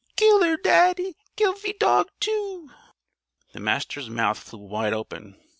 Kill her, daddy! Kill ve dog too!" The Master's mouth flew wide open.